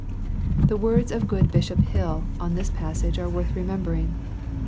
The words of good Bishop Hall on this passage are worth remem bering.